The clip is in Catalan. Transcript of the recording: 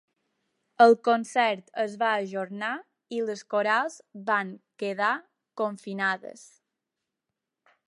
El concert es va ajornar i les corals van quedar confinades.